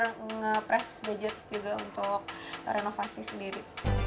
nge press budget juga untuk renovasi sendiri